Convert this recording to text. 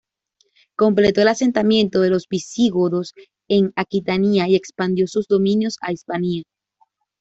Completó el asentamiento de los visigodos en Aquitania y expandió sus dominios a Hispania.